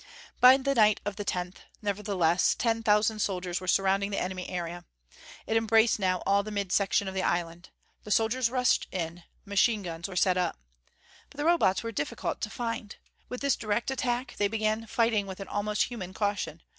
By the night of the tenth, nevertheless, ten thousand soldiers were surrounding the enemy area. It embraced now all the mid section of the island. The soldiers rushed in. Machine guns were set up. But the Robots were difficult to find. With this direct attack they began fighting with an almost human caution.